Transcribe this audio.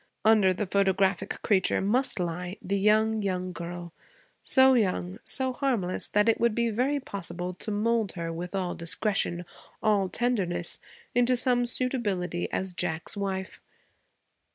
Under the photographic creature must lie the young, young girl so young, so harmless that it would be very possible to mould her, with all discretion, all tenderness, into some suitability as Jack's wife.